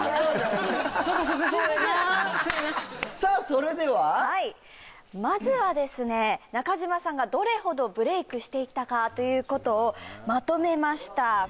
それではまずは中島さんがどれほどブレークしていたかということをまとめました。